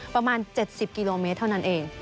ประมาณ๗๐กิโลเมตรเท่านั้นเอง